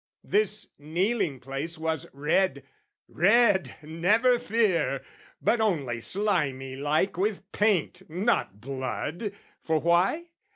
This kneeling place was red, red, never fear! But only slimy like with paint, not blood, For why?